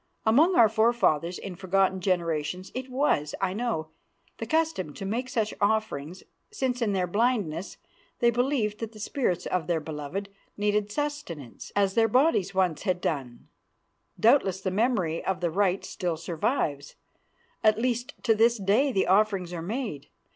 Among our forefathers in forgotten generations it was, I know, the custom to make such offerings, since in their blindness they believed that the spirts of their beloved needed sustenance as their bodies once had done. Doubtless the memory of the rite still survives; at least, to this day the offerings are made.